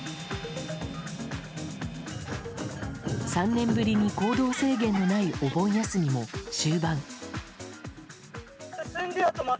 ３年ぶりに行動制限のないお盆休みも終盤。